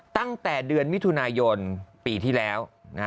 ตั้งแต่เดือนมิถุนายนปีที่แล้ว